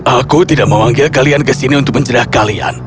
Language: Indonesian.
aku tidak memanggil kalian ke sini untuk mencerah kalian